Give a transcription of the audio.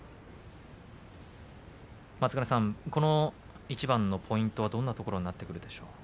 この一番のポイントはどんなところになってくるでしょう。